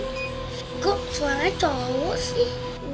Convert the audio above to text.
kok suaranya cowok sih